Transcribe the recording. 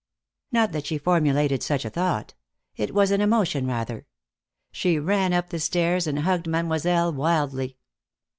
Not that she formulated such a thought. It was an emotion, rather. She ran up the stairs and hugged Mademoiselle wildly.